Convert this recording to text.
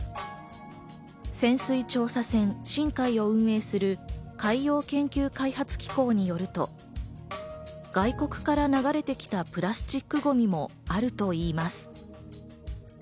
潜水調査船「しんかい」を運営する海洋研究開発機構によると、外国から流れてきたプラスチックゴミもあるといいます。